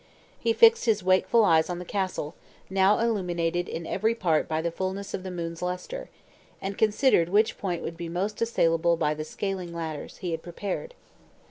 He fixed his wakeful eyes on the castle, now illumined in every part by the fullness of the moon's luster, and considered which point would be most assailable by the scaling ladders he had prepared.